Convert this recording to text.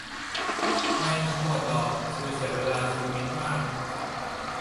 ไม่ทั้งหมดหรอก คือเสียเวลาชีวิตมาก